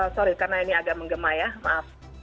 sorry karena ini agak menggema ya maaf